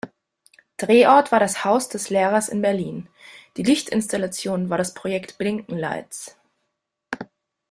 Drehort war das Haus des Lehrers in Berlin, die Lichtinstallation war das Projekt Blinkenlights.